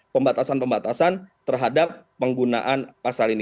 pembatasan pembatasan terhadap penggunaan pasal ini